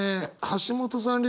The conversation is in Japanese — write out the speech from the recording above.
橋本さん